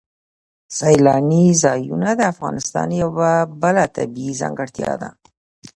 سیلاني ځایونه د افغانستان یوه بله طبیعي ځانګړتیا ده.